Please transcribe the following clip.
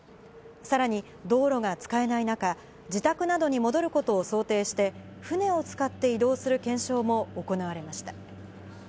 さらに、道路が使えない中、自宅などに戻ることを想定して、船を使って移動する検証も行われました。